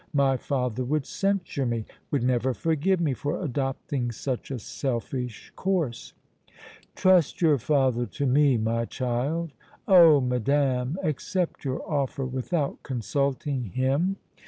My father would censure me, would never forgive me for adopting such a selfish course!" "Trust your father to me, my child." "Oh! madame! Accept your offer without consulting him?"